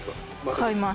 買います。